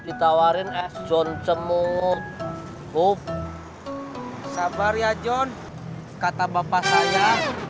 ditawarin es john cemuk hup sabar ya john kata bapak saya